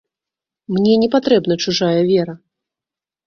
Мне не патрэбна чужая вера.